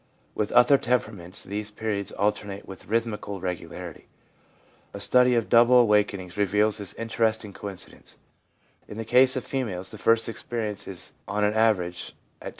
With other temperaments these periods alternate with rhythmical regularity. A study of double awaken ings reveals this interesting coincidence : in the case of females, the first experience is, on an average, at 12.